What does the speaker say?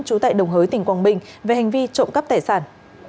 trú tại đồng hới tỉnh quảng bình về hành vi trộm cắp tài sản